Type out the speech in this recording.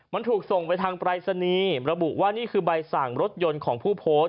มันถูกส่งไปทางปรายศนีย์ระบุว่านี่คือใบสั่งรถยนต์ของผู้โพสต์